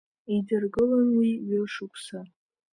Идыргылон уи ҩышықәса.